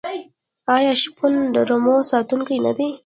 آیا شپون د رمو ساتونکی نه دی؟